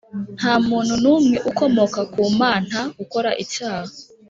Nta muntu n umwe ukomoka kumanta ukora icyaha